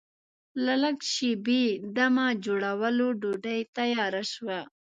له لږ شېبې دمه جوړولو ډوډۍ تیاره شوه.